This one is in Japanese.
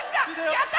やった！